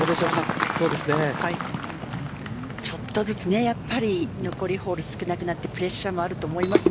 ちょっとずつ残りホール少なくなってプレッシャーもあると思います。